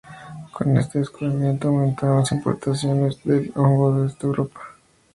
Con este descubrimiento aumentaron las importaciones del hongo desde Europa del Norte hacia Japón.